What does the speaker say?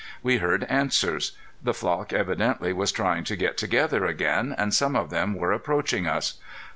We heard answers. The flock evidently was trying to get together again, and some of them were approaching us.